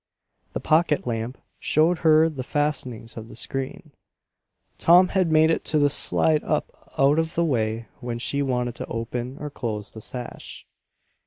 The pocket lamp showed her the fastenings of the screen. Tom had made it to slide up out of the way when she wanted to open or close the sash.